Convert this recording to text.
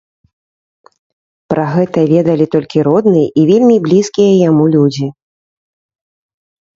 Пра гэта ведалі толькі родныя і вельмі блізкія яму людзі.